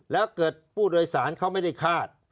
แล้วเกิดผู้โดยสารเขาไม่ได้คาด